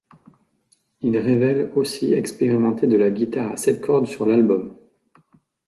Ils révèlent aussi expérimenter de la guitare à sept cordes sur l'album.